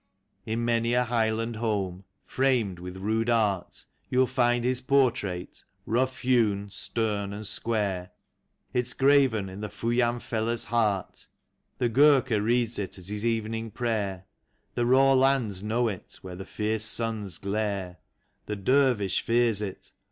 In many a Highland home, framed with rude art. You'll find his portrait, rough hewn, stern and square : It's graven in the Fuyam fellah's heart; The Ghurka reads it at his evening prayer; The raw lands know it, where the fierce suns glare; The Dervish fears it.